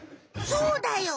そうだよ